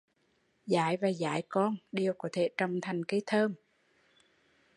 “Dái” và “dái con” đều có thể trồng thành cây thơm